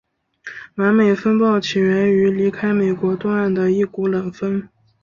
完美风暴起源于离开美国东岸的一股冷锋。